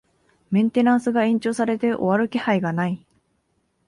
メンテナンスが延長されて終わる気配がない